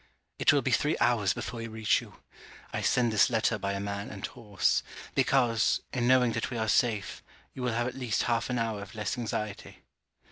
It will be three hours before we reach you. I send this letter by a man and horse; because, in knowing that we are safe, you will have at least half an hour of less anxiety.